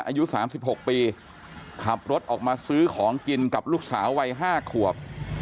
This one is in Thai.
อายุ๓๖ปีขับรถออกมาซื้อของกินกับลูกสาววัย๕ขวบ